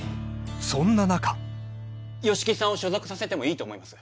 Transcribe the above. そんな中吉木さんを所属させてもいいと思います